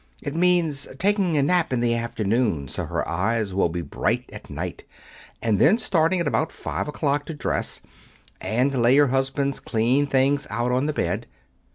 It means taking a nap in the afternoon, so her eyes will be bright at night, and then starting at about five o'clock to dress, and lay her husband's clean things out on the bed.